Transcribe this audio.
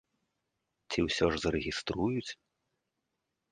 Ці ўсё ж зарэгіструюць?